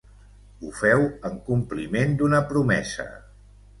Ho feu en compliment d'una promesa.